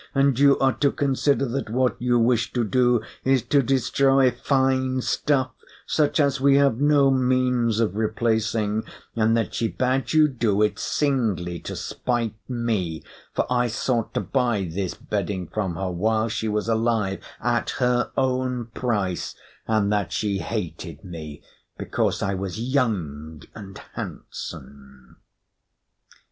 "And you are to consider that what you wish to do is to destroy fine stuff, such as we have no means of replacing; and that she bade you do it singly to spite me, for I sought to buy this bedding from her while she was alive at her own price; and that she hated me because I was young and handsome."